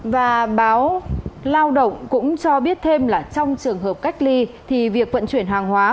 trong trường hợp cách ly việc vận chuyển hàng hóa